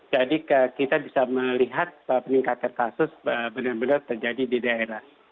jadi kita bisa melihat peningkatan kasus benar benar terjadi di daerah